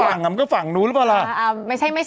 มันก็ฝั่งอ่ะมันก็ฝั่งนู้นรึเปล่าล่ะ